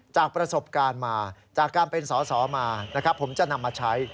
จากประสบการณ์มาจากการเป็นสอสอมานะครับผมจะนำมาใช้